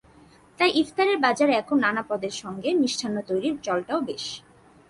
তাই ইফতারের বাজারে এখন নানা পদের সঙ্গে মিষ্টান্ন তৈরির চলটাও বেশ।